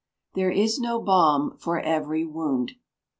[THERE IS NO BALM FOR EVERY WOUND.